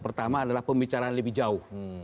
pertama adalah pembicaraan lebih jauh